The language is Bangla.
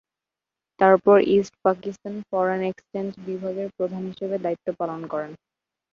তারপর ইস্ট পাকিস্তান ফরেন এক্সচেঞ্জ বিভাগের প্রধান হিসেবে দায়িত্ব পালন করেন।